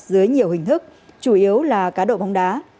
dưới nhiều hình thức chủ yếu là cá độ bóng đá